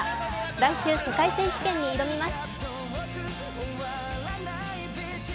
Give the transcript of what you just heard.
来週、世界選手権に挑みます。